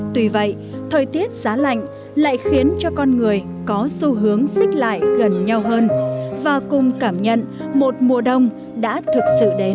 tuy vậy thời tiết giá lạnh lại khiến cho con người có xu hướng xích lại gần nhau hơn và cùng cảm nhận một mùa đông đã thực sự đến